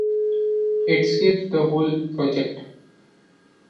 It skips the whole project.